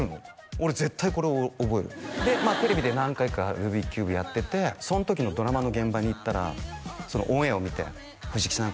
俺絶対これ覚えるでテレビで何回かルービックキューブやっててその時のドラマの現場に行ったらそのオンエアを見て藤木さん